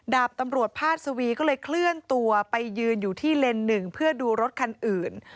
ดาบตำรวจพาสวีก็เลยเคลื่อนตัวไปยืนอยู่ที่เลนส์หนึ่งเพื่อดูรถคันอื่น